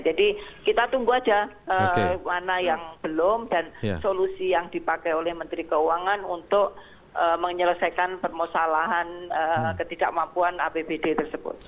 jadi kita tunggu saja mana yang belum dan solusi yang dipakai oleh menteri keuangan untuk menyelesaikan permasalahan ketidakmampuan apbd tersebut